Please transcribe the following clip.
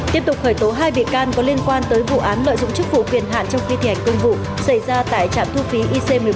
tiếp tục khởi tố hai bị can có liên quan tới vụ án lợi dụng chức vụ quyền hạn trong khi thi hành công vụ xảy ra tại trạm thu phí ic một mươi một